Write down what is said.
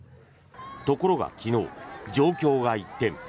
ところが昨日、状況が一転。